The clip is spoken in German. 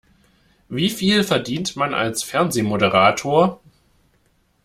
Wie viel verdient man als Fernsehmoderator?